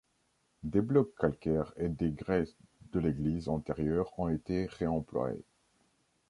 Des blocs calcaires et des grès de l'église antérieure ont été réemployés.